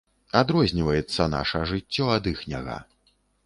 Адрозніваецца наша жыццё ад іхняга.